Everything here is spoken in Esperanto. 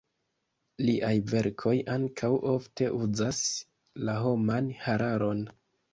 Liaj verkoj ankaŭ ofte uzas la homan hararon.